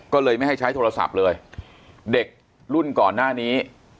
ก็เลยไม่ให้ใช้โทรศัพท์เลยเด็กรุ่นก่อนหน้านี้